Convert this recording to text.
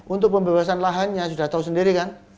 untuk pembebasan lahannya sudah tahu sendiri kan